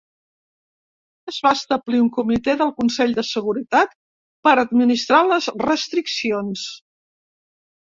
Es va establir un comitè del Consell de Seguretat per administrar les restriccions.